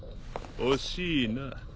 惜しいな。